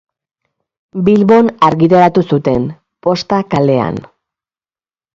Bilbon argitaratu zuten, Posta kalean.